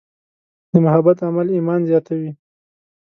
د محبت عمل ایمان زیاتوي.